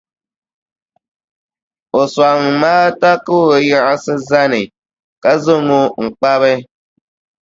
O sɔŋ Maata ka o yiɣisi zani, ka zaŋ o n-kpabi.